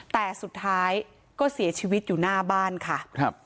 แต่สุดท้ายก็เสียชีวิตอยู่หน้าบ้านค่ะครับ